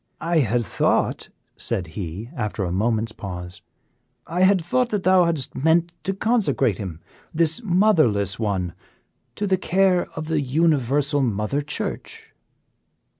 I had thought," said he, after a moment's pause, "I had thought that thou hadst meant to consecrate him this motherless one to the care of the Universal Mother Church."